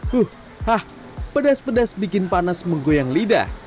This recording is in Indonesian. huh hah pedas pedas bikin panas menggoyang lidah